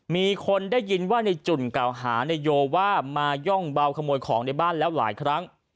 มีคนได้ยินว่าในจุ่นกล่าวหานายโยว่ามาย่องเบาขโมยของในบ้านแล้วหลายครั้ง